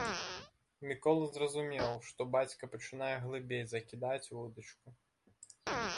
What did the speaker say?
Мікола зразумеў, што бацька пачынае глыбей закідаць вудачку.